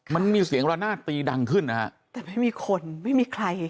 มันมีเสียงระนาดตีดังขึ้นนะฮะแต่ไม่มีคนไม่มีใคร